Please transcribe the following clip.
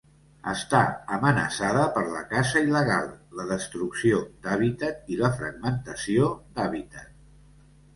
Està amenaçada per la caça il·legal, la destrucció d'hàbitat i la fragmentació d'hàbitat.